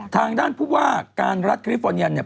ทางด้านผู้ว่าการรัฐคลิฟฟอร์เนียนเนี่ย